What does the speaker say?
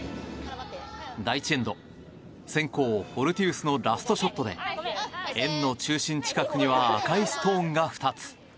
第１エンド先攻フォルティウスのラストショットで円の中心近くには赤いストーンが２つ。